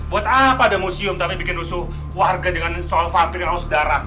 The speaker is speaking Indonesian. buat apa ada museum tapi bikin rusuh warga dengan soal vampir yang langsung darah